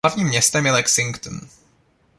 Hlavním městem je Lexington.